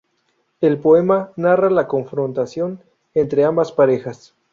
El poema narra la confrontación entre ambas parejas.